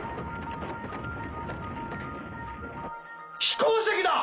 飛行石だ！